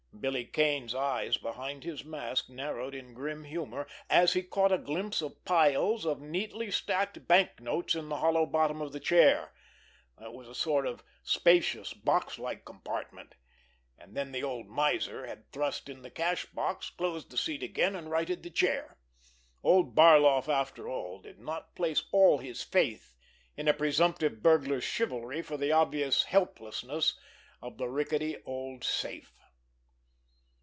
Billy Kane's eyes, behind his mask, narrowed in grim humor, as he caught a glimpse of piles of neatly stacked banknotes in the hollow bottom of the chair, that was a sort of spacious, boxlike compartment—and then the old miser had thrust in the cash box, closed the seat again, and righted the chair. Old Barloff, after all, did not place all his faith in a presumptive burglar's chivalry for the obvious helplessness of the rickety old safe!